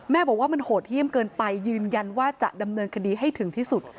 บอกว่ามันโหดเยี่ยมเกินไปยืนยันว่าจะดำเนินคดีให้ถึงที่สุด